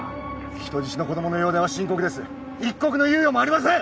人質の子供の容体は深刻です一刻の猶予もありません！